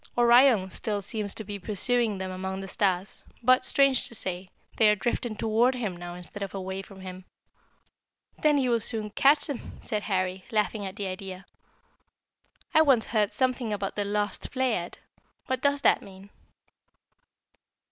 Orion still seems to be pursuing them among the stars; but, strange to say, they are drifting toward him now instead of away from him." [Illustration: ORION, THE GREAT HUNTER.] "Then he will soon catch them," said Harry, laughing at the idea. "I once heard something about the 'Lost Pleiad.' What does that mean?"